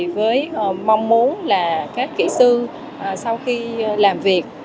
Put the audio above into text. với mong muốn là các kỹ sư sau khi làm việc